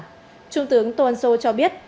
trung tướng tô ân sô cho biết